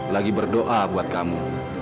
lagi berdoa buat kamu